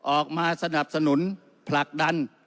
ออกมาสนับสนุนผลักดัน